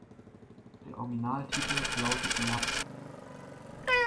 Der Originaltitel lautet jap.